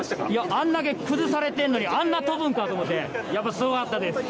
あんだけ崩されてんのにあんなに飛ぶんかって思ってやっぱすごかったです。